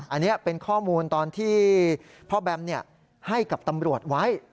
อันนี้เป็นข้อมูลตอนที่พ่อแบมให้กับตำรวจไว้